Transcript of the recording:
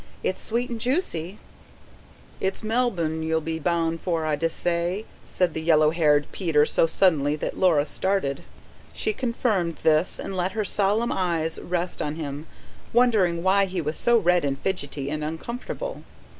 It's sweet and juicy." "It's Melb'm you'll be boun' for I dessay?" said the yellow haired Peter so suddenly that Laura started. She confirmed this, and let her solemn eyes rest on him wondering why he was so red and fidgety and uncomfortable.